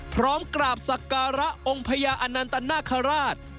พร้อมกราบศักระองค์พญาอนันตนาคาราช